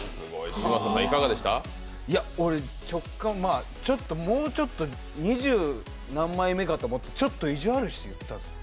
俺、直感、もうちょっと二十何枚目かと思ってちょっと意地悪して言ったんです。